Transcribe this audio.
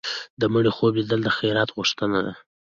د مړي خوب لیدل د خیرات غوښتنه ده.